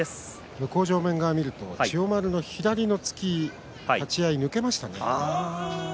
向正面側見ると千代丸の左の突き立ち合い、抜けましたね。